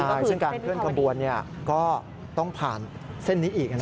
ใช่ซึ่งการเคลื่อนขบวนก็ต้องผ่านเส้นนี้อีก